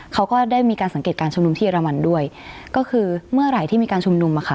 เขาก็ได้มีการสังเกตการชุมนุมที่เรมันด้วยก็คือเมื่อไหร่ที่มีการชุมนุมอะค่ะ